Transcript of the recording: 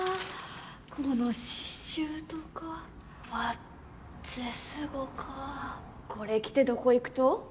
この刺繍とかわっぜすごかこれ着てどこ行くと？